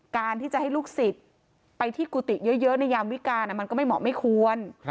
การที่จะให้ลูกศิษย์ไปที่กุฏิเยอะในยามวิการมันก็ไม่เหมาะไม่ควร